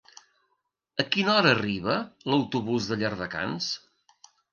A quina hora arriba l'autobús de Llardecans?